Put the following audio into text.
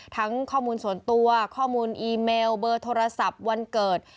ข้อมูลส่วนตัวข้อมูลอีเมลเบอร์โทรศัพท์วันเกิด